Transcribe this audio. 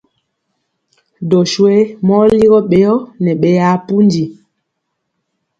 Doswe mɔ ligɔ ɓeyɔ nɛ ɓeyaa pundi.